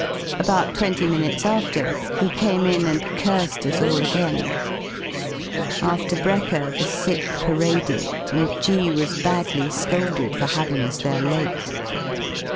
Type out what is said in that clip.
About twenty minutes after he came in and cursed us all again. After brekker the sick paraded, and G was badly scolded for having us there late.